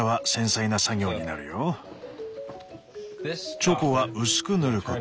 チョコは薄く塗ること。